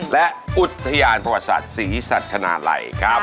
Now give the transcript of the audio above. และอุทยานประวัติศาสตร์ศรีสัชนาลัยครับ